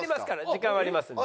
時間はありますので。